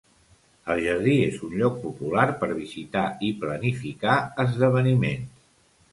El jardí és un lloc popular per visitar i planificar esdeveniments.